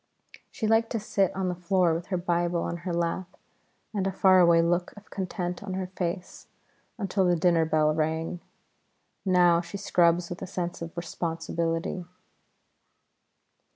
She liked to sit on the floor with her Bible on her lap and a far away look of content on her face until the dinner bell rang. Now she scrubs with a sense of responsibility.